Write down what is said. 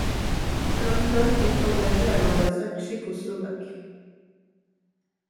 London est engagé à l'ambassade tchécoslovaque.